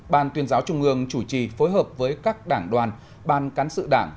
năm ban tuyên giáo trung mương chủ trì phối hợp với các đảng đoàn ban cán sự đảng